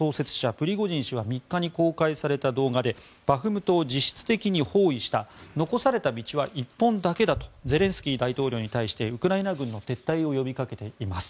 プリゴジン氏は３日に公開された動画でバフムトを実質的に包囲した残された道は１本だけだとゼレンスキー大統領に対してウクライナ軍の撤退を呼びかけています。